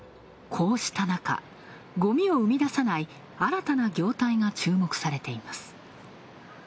こうしたなか、ごみを生み出さないあらたな業態が注目されています。